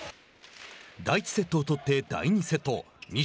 第１セットを取って第２セット。